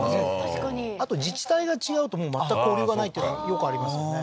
確かにあと自治体が違うと全く交流がないっていうのよくありますよね